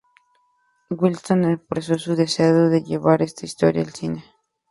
Wilson expresó su deseo de llevar esta historia al cine.